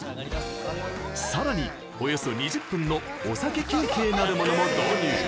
さらに、およそ２０分のお酒休憩なるものも導入。